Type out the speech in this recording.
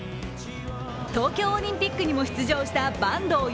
東京オリンピックにも出場した坂東悠